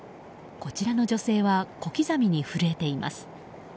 こちらの女性は小刻みに震えています。